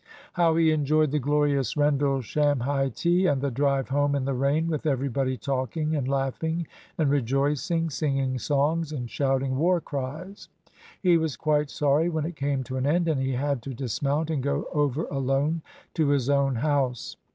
How he enjoyed the glorious Rendlesham high tea, and the drive home in the rain with everybody talking and laughing and rejoicing, singing songs and shouting war cries! He was quite sorry when it came to an end, and he had to dismount and go over alone to his own house.